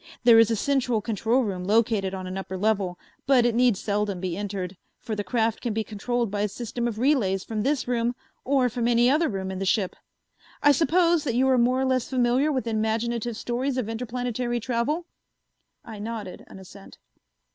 There is a central control room located on an upper level, but it need seldom be entered, for the craft can be controlled by a system of relays from this room or from any other room in the ship. I suppose that you are more or less familiar with imaginative stories of interplanetary travel?" I nodded an assent.